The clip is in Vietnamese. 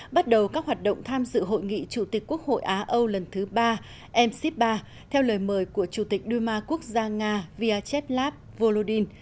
bắt đầu các hoạt động tham dự hội nghị chủ tịch quốc hội á âu lần thứ ba mc ba theo lời mời của chủ tịch đuôi ma quốc gia nga vyachev lap volodin